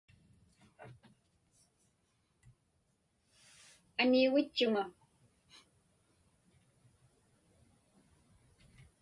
Anuigitchuŋa.